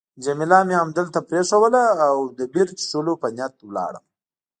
جميله مې همدلته پرېښووله او د بیر څښلو په نیت ولاړم.